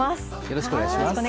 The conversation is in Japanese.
よろしくお願いします。